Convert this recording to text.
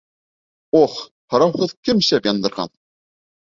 Ох, һорауһыҙ кем шәм яндырған?